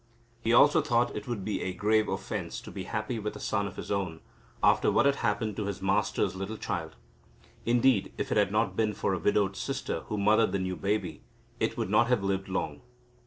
He also thought it would be a grave offence to be happy with a son of his own after what had happened to his master's little child. Indeed, if it had not been for a widowed sister, who mothered the new baby, it would not have lived long.